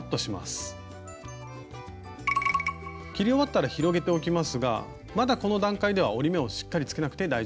切り終わったら広げておきますがまだこの段階では折り目をしっかりつけなくて大丈夫です。